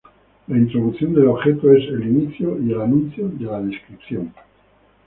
La introducción del objeto es el inicio y el anuncio de la descripción.